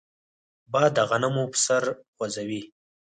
باد د غنمو پسر خوځوي